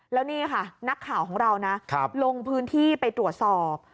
แล้วนี่ค่ะนักข่าวของเรานะลงพื้นที่ไปตรวจสอบ